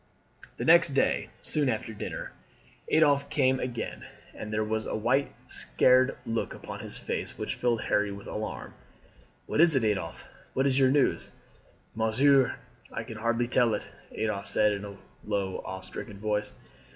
The next day, soon after dinner, Adolphe came again, and there was a white scared look upon his face which filled Harry with alarm. "What is it, Adolphe? What is your news?" "Monsieur, I can hardly tell it," Adolphe said in a low awe stricken voice.